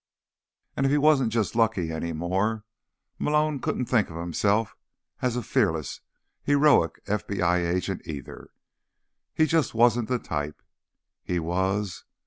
And if he wasn't just lucky any more, Malone couldn't think of himself as a fearless, heroic FBI agent, either. He just wasn't the type. He was